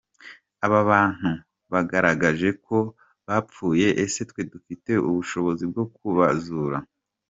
Aba bantu bagaragaje ko bapfuye, ese twe dufite ubushobozi bwo kubazura?